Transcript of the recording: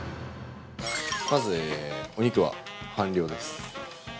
◆まずお肉は半量です。